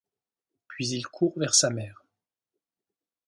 Puis il court vers sa mère.